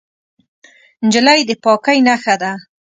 نجلۍ د پاکۍ نښه ده.